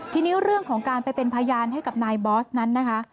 ทีนี้เรื่องของการไปเป็นพยานให้กับนายบอสนั้นนะคะ